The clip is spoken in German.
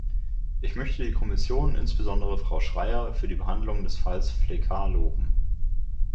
Ich möchte die Kommission, insbesondere Frau Schreyer, für die Behandlung des Falls Flechard loben.